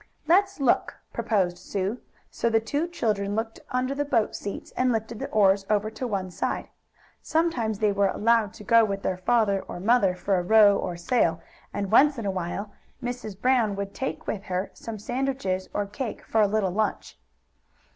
"Let's look," proposed Sue, so the two children looked under the boat seats and lifted the oars over to one side. Sometimes they were allowed to go with their father or mother for a row or sail, and, once in a while, Mrs. Brown would take with her some sandwiches or cake for a little lunch.